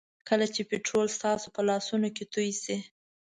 کله چې پټرول ستاسو په لاسونو کې توی شي.